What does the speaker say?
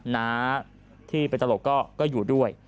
น้าที่เป็นตลกก็อยู่ด้วย